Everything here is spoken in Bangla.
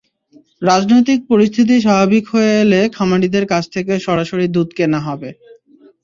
রাজনৈতিক পরিস্থিতি স্বাভাবিক হয়ে এলে খামারিদের কাছ থেকে সরাসরি দুধ কেনা হবে।